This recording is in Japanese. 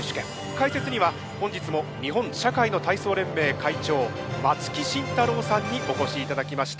解説には本日も日本社会の体操連盟会長松木慎太郎さんにお越しいただきました。